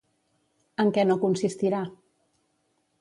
En què no consistirà?